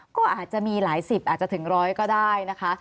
ก็อาจจะมีหลายสิบอาจจะถึงร้อยก็ได้นะคะ